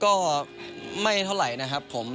ก็ไม่เท่าไหร่นะครับผม